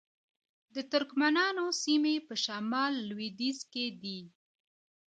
د ترکمنانو سیمې په شمال لویدیځ کې دي